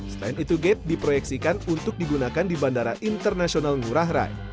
selain itu gate diproyeksikan untuk digunakan di bandara internasional ngurah rai